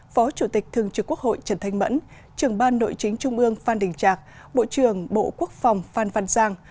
phó chủ tịch thường trực quốc hội trần thanh mẫn trưởng ban nội chính trung ương phan đình trạc bộ trưởng bộ quốc phòng phan văn giang